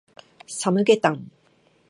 サムゲタン